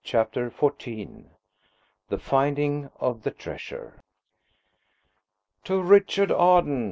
CHAPTER XIV THE FINDING OF THE TREASURE "TO Richard Arden!"